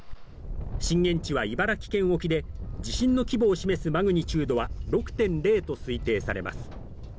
震源地は茨城県沖で、地震の規模を示すマグニチュードは６．０と推定されます。